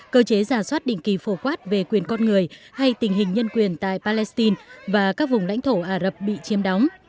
cơ chế giả soát định kỳ phổ quát về quyền con người hay tình hình nhân quyền tại palestine và các vùng lãnh thổ ả rập bị chiêm đóng